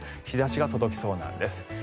日差しが届きそうなんです。